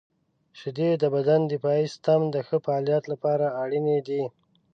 • شیدې د بدن د دفاعي سیستم د ښه فعالیت لپاره اړینې دي.